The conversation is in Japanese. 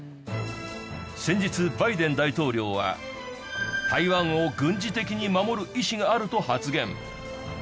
先日バイデン大統領は台湾を軍事的に守る意思があると発言。